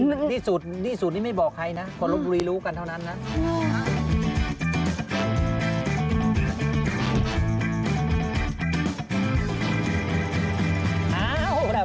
ได้สินี่สูตรนี่ไม่บอกใครนะคนลูกบุรีรู้กันเท่านั้นนะ